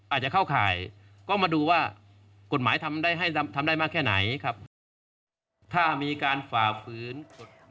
อาจจะเข้าข่ายก็มาดูว่ากฎหมายทำได้มากแค่ไหนครับ